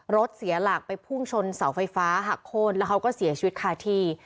รถเสียหลักไปพุ่งชนเสาไฟฟ้าหักโค้นแล้วเขาก็เสียชีวิตคาที่